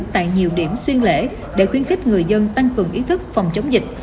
tại nhiều điểm xuyên lễ để khuyến khích người dân tăng cường ý thức phòng chống dịch